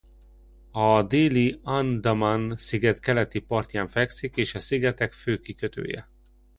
A Déli Andamán sziget keleti partján fekszik és a szigetek fő kikötője.